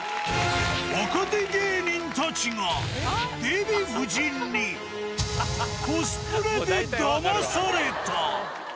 若手芸人たちがデヴィ夫人にコスプレでダマされた。